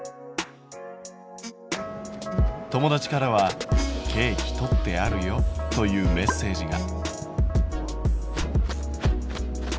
友達からは「ケーキとってあるよ」というメッセージが。